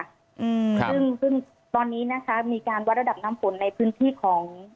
ค่ะซึ่งตอนนี้นะมีการวัดระดับนำผลในพื้นที่ของ